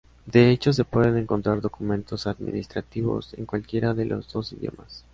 De hecho se pueden encontrar documentos administrativos en cualquiera de los dos idiomas.